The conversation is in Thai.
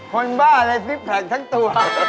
คนบ้้าไรซิปแพคทั้งตัว